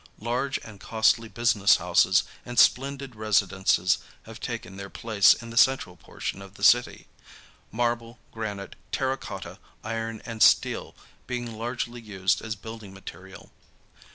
Large and costly business houses and splendid residences have taken their place in the central portion of the city, marble, granite, terra cotta, iron and steel being largely used as building material.